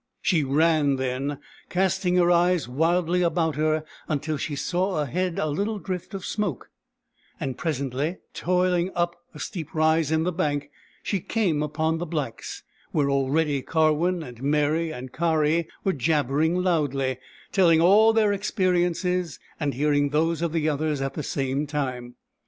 She ran then, cast ing her eyes wildly about until she saw ahead a little drift of smoke ; and presently, toihng up a steep rise in the bank, she came upon the blacks, where already Karwin and Meri and Kari were jabbering loudly, telling all their experiences and hearing those of the others at the same time.